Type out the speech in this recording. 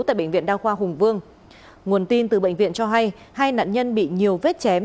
tại bệnh viện đa khoa hùng vương nguồn tin từ bệnh viện cho hay hai nạn nhân bị nhiều vết chém